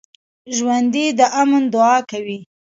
ژوندي د امن دعا کوي